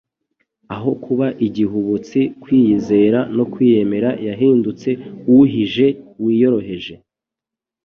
Aho kuba igihubutsi, kwiyizera no kwiyemera, yahindutse uhije, wiyoroheje,